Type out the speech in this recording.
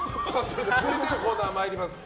続いてのコーナー参ります。